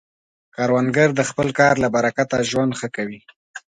کروندګر د خپل کار له برکته ژوند ښه کوي